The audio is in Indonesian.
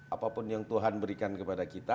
apapun yang tuhan berikan kepada kita